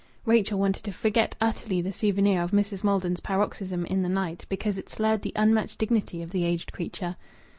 (Rachel wanted to forget utterly the souvenir of Mrs. Maldon's paroxysm in the night, because it slurred the unmatched dignity of the aged creature.)